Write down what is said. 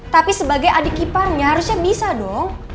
tapi sebagai adik iparnya harusnya bisa dong